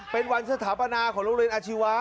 เป็นวันสถาปนาของโรงเรียนอาชีวะ